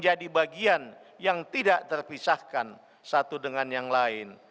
jadi bagian yang tidak terpisahkan satu dengan yang lain